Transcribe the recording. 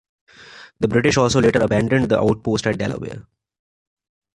The British also later abandoned the outpost at Delaware.